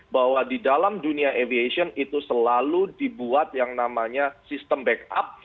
bahwa di dalam dunia aviation itu selalu dibuat yang namanya sistem backup